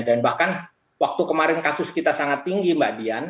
bahkan waktu kemarin kasus kita sangat tinggi mbak dian